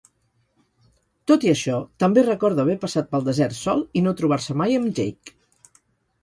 Tot i això, també recorda haver passat pel desert sol i no trobar-se mai amb Jake.